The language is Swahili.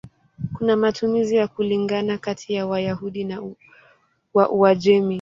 Kuna matumizi ya kulingana kati ya Wayahudi wa Uajemi.